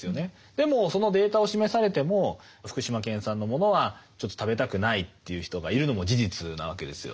でもそのデータを示されても福島県産のものはちょっと食べたくないという人がいるのも事実なわけですよね。